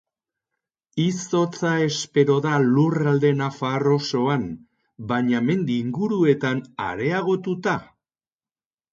Izotza espero da lurralde nafar osoan, baina mendi inguruetan areagotuta.